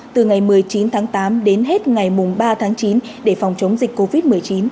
từ ngày một mươi chín tháng tám đến hết ngày ba tháng chín để phòng chống dịch covid một mươi chín